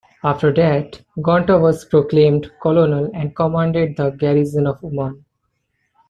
After that, Gonta was proclaimed colonel and commanded the garrison of Uman.